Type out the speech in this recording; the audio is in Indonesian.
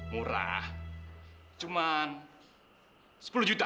murah cuma sepuluh juta